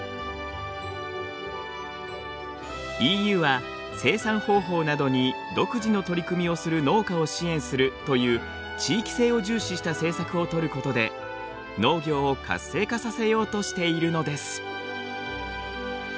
ＥＵは生産方法などに独自の取り組みをする農家を支援するという地域性を重視した政策をとることで農業を活性化させようとしているのです。